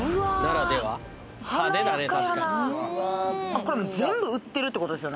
これもう全部売ってるってことですよね